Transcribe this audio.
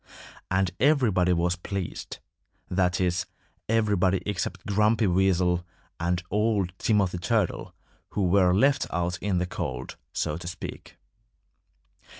And everybody was pleased that is, everybody except Grumpy Weasel and old Timothy Turtle, who were left out in the cold, so to speak.